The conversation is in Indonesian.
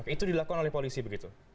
itu dilakukan oleh polisi begitu